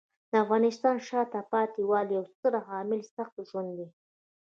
د افغانستان د شاته پاتې والي یو ستر عامل سخت ژوند دی.